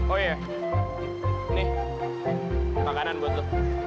oh iya nih makanan buat lo